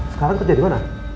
sekarang kerja dimana